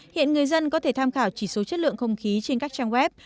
hiện người dân có thể tham khảo chỉ số chất lượng không khí trên các trang web